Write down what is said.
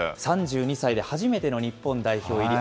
３２歳で初めての日本代表入り。